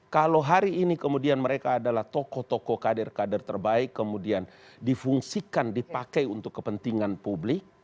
kalau hari ini kemudian mereka adalah tokoh tokoh kader kader terbaik kemudian difungsikan dipakai untuk kepentingan publik